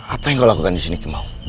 apa yang kau lakukan disini kimau